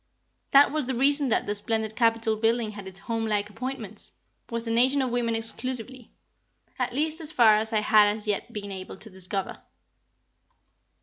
That was the reason that the splendid Capitol building had its home like appointments, was a Nation of women exclusively at least as far as I had as yet been able to discover.